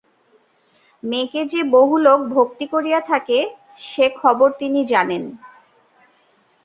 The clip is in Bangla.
মেয়েকে যে বহু লোক ভক্তি করিয়া থাকে সে খবর তিনি জানেন।